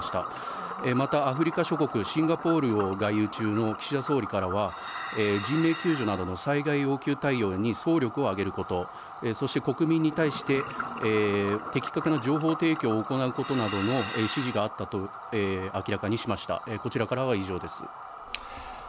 また、アフリカ諸国、シンガポールを外遊中の岸田総理からは人命救助などの災害要求対応に総力を挙げることそして国民に対して的確な情報提供を行うことなどの指示があったと明らかにしました。